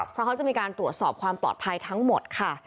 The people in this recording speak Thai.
เพราะเขาจะมีการตรวจสอบความปลอดภัยทั้งหมดค่ะ